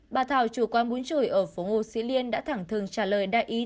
bà thảo chủ quán bún chửi ở phố ngô sĩ liên đã thẳng thừng trả lời đại ý